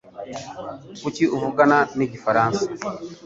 Kuki uvugana na igifaransa?